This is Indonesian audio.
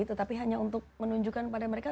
tetapi hanya untuk menunjukkan kepada mereka